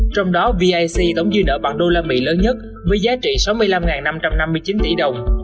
trong đó vic tổng dư nợ bằng usd lớn nhất với giá trị sáu mươi năm năm trăm năm mươi chín tỷ đồng